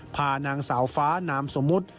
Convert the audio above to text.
พานางสาวฟ้านามสมมุติ